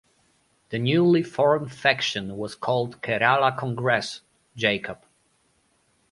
The newly formed faction was called Kerala Congress (Jacob).